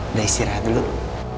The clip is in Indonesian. udah istirahat dulu